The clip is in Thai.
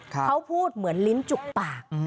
เขาพูดเหมือนลิ้นจุกปาก